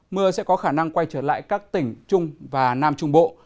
mưa sẽ có khả năng quay trở lại các tỉnh trung và nam trung bộ